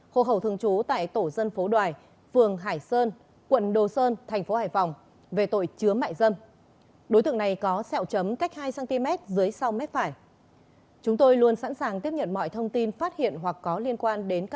hồ khẩu thường trú tại tổ dân phố đoài phường hải sơn quận đồ sơn tp hải phòng về tội chứa mại dân